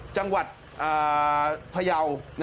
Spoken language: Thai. จังหวัดพะเยาว์